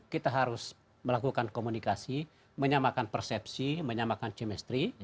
kita harus melakukan komunikasi menyamakan persepsi menyamakan chemistry